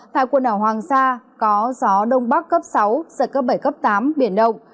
tại quần đảo hoàng sa có gió đông bắc cấp sáu giật cấp bảy cấp tám biển động